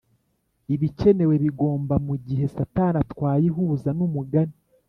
ibikenewe bigomba mugihe satani atwaye ihuza numugani